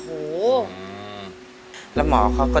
โอ้โห